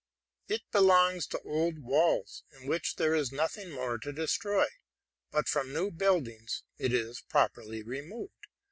It belongs to old walls, in which there is nothing more to destroy; but from new buildings it is properly removed.